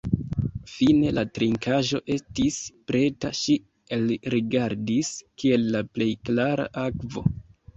Fine la trinkaĵo estis preta; ŝi elrigardis kiel la plej klara akvo.